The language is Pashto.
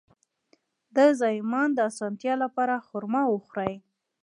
د زایمان د اسانتیا لپاره خرما وخورئ